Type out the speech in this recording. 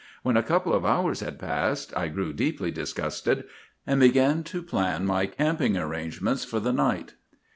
When a couple of hours had passed I grew deeply disgusted, and began to plan my camping arrangements for the night.